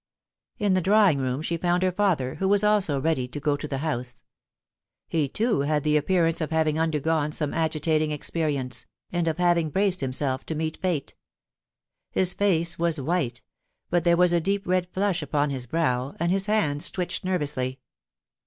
In the drawing room she found her father, who was also ready to go to the House. He too had the app>earance of having undergone some agitating experience, and of having braced himself to meet Fate. His face was white, but there was a deep red flush upon his brow, and his hands twitched nervously.